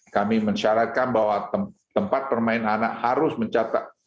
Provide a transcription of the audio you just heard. kami mensyaratkan bahwa tempat bermain anak harus mencatat